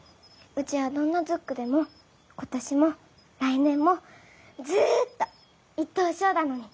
うちはどんなズックでも今年も来年もずっと１等賞だのに。